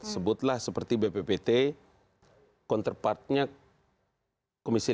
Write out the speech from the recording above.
sebutlah seperti bppt kontrapartnya komisi lima